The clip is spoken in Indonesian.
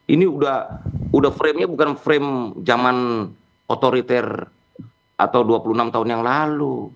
ini udah framenya bukan frame zaman otoriter atau dua puluh enam tahun yang lalu